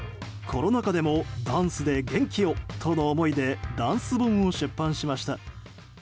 コロナ禍でもダンスで元気を！との思いでダンス本を出版しました。